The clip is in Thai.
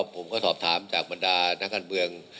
ผมก็ถอบถามจากบรรดาบรรดาหน้าท่านเมือง